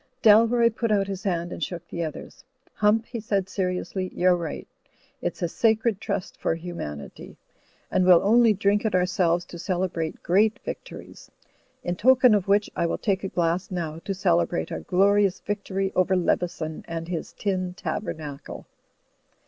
Dalroy put out his hand and shook the other's. "Hump," he said, seriously, "you're right. It's a sacred trust for Humanity; and we'll only drink it ourselves to celebrate great victories. In token of which I will take a glass now, to celebrate our glori ous victory over Leveson and his tin tabernacle."